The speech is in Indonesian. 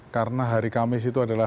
karena hari kamis itu adalah